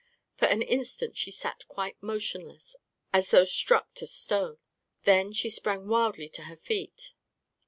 For an instant she sat quite motionless, as though struck to stone. Then she sprang wildly to her feet.